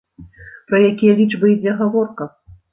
Пра якія лічбы ідзе гаворка?